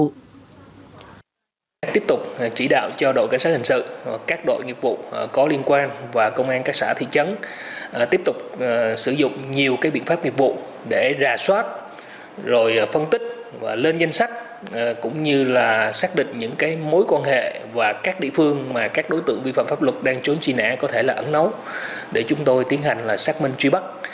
các trinh sát truy nã tiếp tục chỉ đạo cho đội cảnh sát hình sự các đội nghiệp vụ có liên quan và công an các xã thị trấn tiếp tục sử dụng nhiều biện pháp nghiệp vụ để ra soát phân tích lên danh sách cũng như xác định những mối quan hệ và các địa phương mà các đối tượng vi phạm pháp luật đang trốn truy nã có thể ẩn nấu để chúng tôi tiến hành xác minh truy bắt